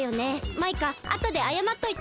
マイカあとであやまっといて。